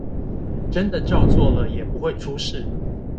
真的照做了也不會出事